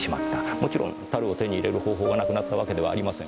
もちろん樽を手に入れる方法がなくなったわけではありません。